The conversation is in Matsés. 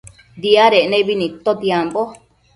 Diadec nebi nidtotiambo